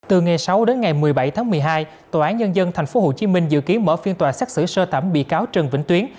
từ ngày sáu đến ngày một mươi bảy tháng một mươi hai tòa án nhân dân tp hcm dự kiến mở phiên tòa xét xử sơ thẩm bị cáo trần vĩnh tuyến